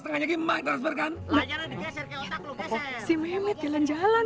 setengah setengahnya gimana kan si mehmet jalan jalan